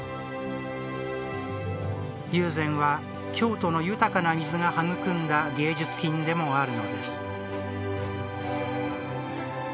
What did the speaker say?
友禅は、京都の豊かな水が育んだ芸術品でもあるのです。